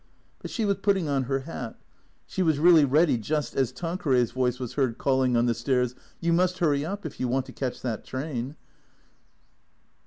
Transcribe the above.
But she was putting on her hat. She was really ready just as Tanqueray's voice was heard calling on the stairs, "You must hurry up if you want to catch that train."